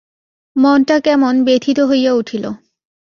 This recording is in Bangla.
মনটা কেমন ব্যথিত হইয়া উঠিল।